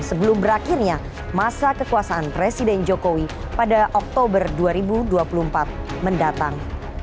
sebelum berakhirnya masa kekuasaan presiden jokowi pada oktober dua ribu dua puluh empat mendatang